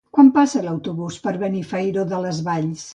Quan passa l'autobús per Benifairó de les Valls?